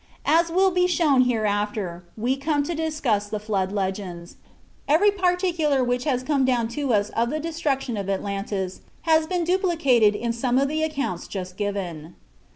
As will be shown hereafter, when we come to discuss the Flood legends, every particular which has come down to us of the destruction of Atlantis has been duplicated in some of the accounts just given.